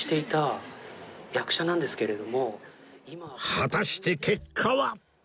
果たして結果は